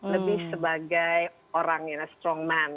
lebih sebagai orang yang strong man